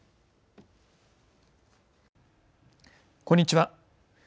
こんにちは。